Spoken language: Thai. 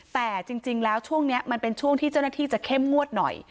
แต่จริงแล้วช่วงนี้มันเป็นช่วงที่เจ้าหน้าที่จะเข้มงวดหน่อย